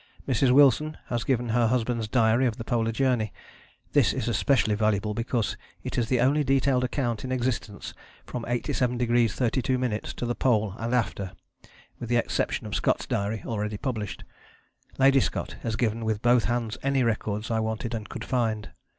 Mrs. Wilson has given her husband's diary of the Polar Journey: this is especially valuable because it is the only detailed account in existence from 87° 32´ to the Pole and after, with the exception of Scott's Diary already published. Lady Scott has given with both hands any records I wanted and could find.